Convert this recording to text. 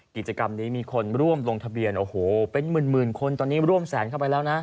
กิจกรรมนี้มีคนร่วมลงทะเบียนโอ้โหเป็นหมื่นคนตอนนี้ร่วมแสนเข้าไปแล้วนะ